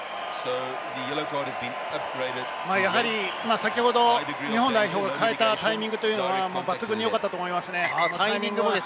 やはり先ほど日本代表が代えたタイミングというのは抜群に良かったと思いますね。